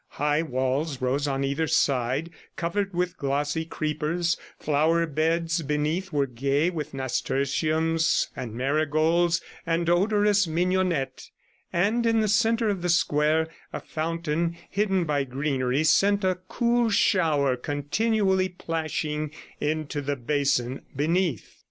High walls rose on either side, covered with glossy creepers, flower beds beneath were gay with nasturtiums, and marigolds, and odorous mignonette, and in the centre of the square a fountain, hidden by greenery, sent a cool shower continually plashing into the basin beneath.